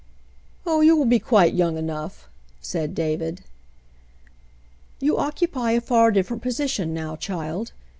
"Oh, you will be quite young enough," said David. "You occupy a far different position now, child.